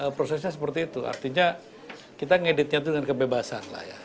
prosesnya seperti itu artinya kita ngeditnya itu dengan kebebasan lah ya